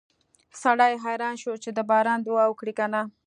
سړی حیران شو چې د باران دعا وکړي که نه